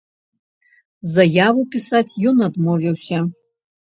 Заяву пісаць ён адмовіўся.